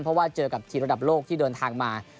เพราะว่าเจอกับทีมระดับโลกที่เดินทางมา